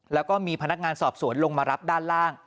แล้วก็มีพนักงานสอบสวนลงมารับด้านล่าง